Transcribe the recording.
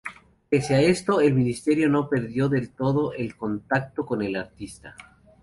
Pese a esto, el ministerio no perdió del todo el contacto con el artista.